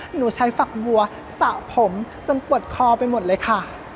หนูใช้ฝักบัวสระผมจนปวดคอไปหมดเลยค่ะ